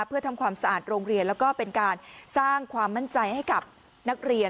เพื่อทำความสะอาดโรงเรียนแล้วก็เป็นการสร้างความมั่นใจให้กับนักเรียน